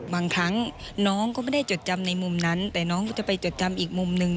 บางครั้งน้องก็ไม่ได้จดจำในมุมนั้นแต่น้องก็จะไปจดจำอีกมุมหนึ่ง